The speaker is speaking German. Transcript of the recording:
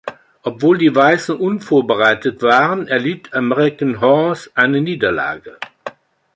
Obwohl die Weißen unvorbereitet waren, erlitt American Horse eine Niederlage.